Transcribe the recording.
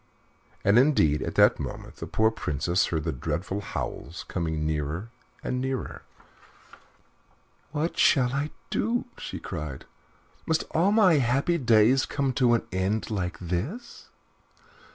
And, indeed, at that moment the poor Princess heard their dreadful howls coming nearer and nearer. "What shall I do?" she cried. "Must all my happy days come to an end like this?"